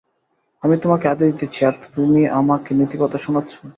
আমি তোমাকে আদেশ দিচ্ছি আর তুমি আমাকে নীতিকথা শোনাচ্ছো?